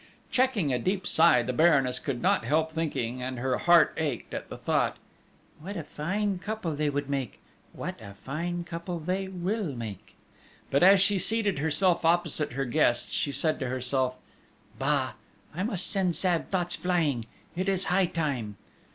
Checking a deep sigh, the Baroness could not help thinking, and her heart ached at the thought: "What a fine couple they would make!... What a fine couple they will make!" But, as she seated herself opposite her guests, she said to herself: "Bah!... I must send sad thoughts flying!... It is high time!"